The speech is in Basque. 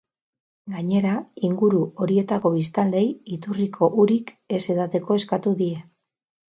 Gainera, inguru horietako biztanleei iturriko urik ez edateko eskatu die.